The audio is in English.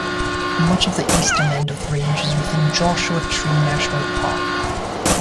Much of the eastern end of the range is within Joshua Tree National Park.